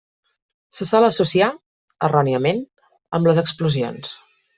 Se sol associar, erròniament, amb les explosions.